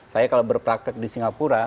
saya kalau berpraktek di singapura